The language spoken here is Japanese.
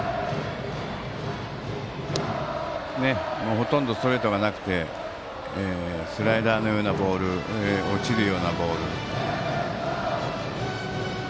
ほとんどストレートがなくてスライダーのようなボールと落ちるようなボール。